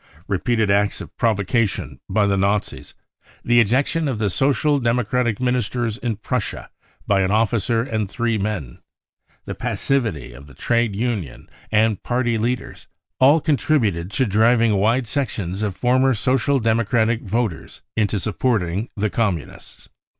Repeated acts of provocation by the Nazis, the I ejection of the Social Democratic ministers in Prussia by an officer and "three men, the passivity of the trade union and party leaders, all contributed to driving wide sections of former Social Democratic voters into supporting the Com munists.